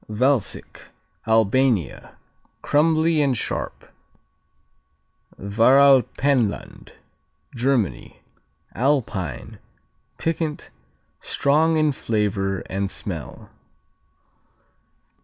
Valsic Albania Crumbly and sharp. Varalpenland Germany Alpine. Piquant, strong in flavor and smell.